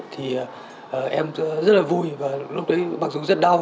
thì em rất là vui và lúc đấy bằng dung rất đau